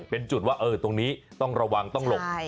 เป็นจุดว่าตรงนี้ต้องระวังต้องหลบ